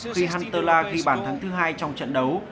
khi hunterla ghi bản thắng thứ hai trong trận đấu